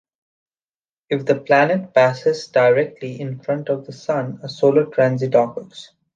If the planet passes directly in front of the sun, a solar transit occurs.